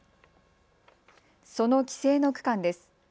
その規制の区間です。